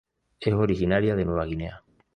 Es originaria de Nueva Guinea.